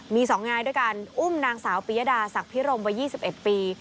มี๒นายด้วยการอุ้มนางสาวปียดาศักดิ์พิรมวัย๒๑ปี